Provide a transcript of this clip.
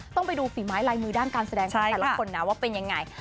ต้องไปดูฝีไม้ลายมือด้านการแสดงของแต่ละคนนะว่าเป็นยังไง